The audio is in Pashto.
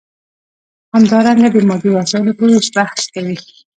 همدارنګه د مادي وسایلو په ویش بحث کوي.